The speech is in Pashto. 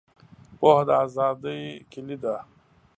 پوهه د آزادۍ کیلي ده.